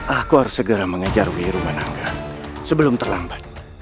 aku harus segera mengejar wihiruman angga sebelum terlambat